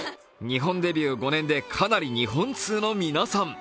日本デビュー５年でかなり日本通の皆さん。